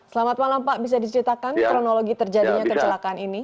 selamat malam pak bisa diceritakan kronologi terjadinya kecelakaan ini